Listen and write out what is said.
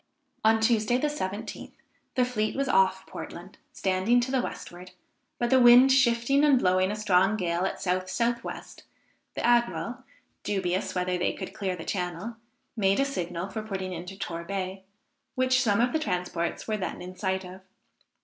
On Tuesday the 17th, the fleet was off Portland, standing to the westward; but the wind shifting and blowing a strong gale at south south west, the admiral, dubious whether they could clear the channel, made a signal for putting into Torbay, which some of the transports were then in sight of.